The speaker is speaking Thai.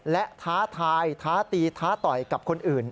และท้าทายท้าตีท้าต่อยกับคนอื่น